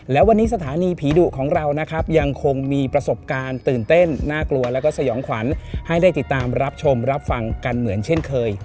และวันนี้สถานีผีดุของเรานะครับยังคงมีประสบการณ์ตื่นเต้นน่ากลัวแล้วก็สยองขวัญให้ได้ติดตามรับชมรับฟังกันเหมือนเช่นเคย